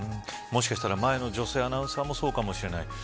もしかすると、前の女性アナウンサーもそうかもしれない。